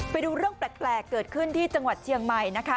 ไปดูเรื่องแปลกเกิดขึ้นที่จังหวัดเชียงใหม่นะคะ